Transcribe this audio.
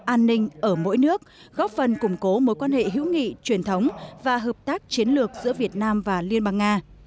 an ninh ở mỗi nước góp phần củng cố mối quan hệ hữu nghị truyền thống và hợp tác chiến lược giữa việt nam và liên bang nga